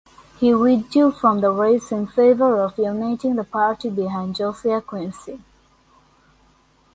He withdrew from the race in favor of uniting the party behind Josiah Quincy.